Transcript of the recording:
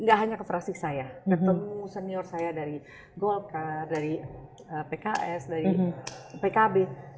nggak hanya ke fraksi saya ketemu senior saya dari golkar dari pks dari pkb